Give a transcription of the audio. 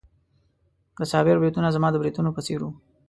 د صابر بریتونه زما د بریتونو په څېر وو.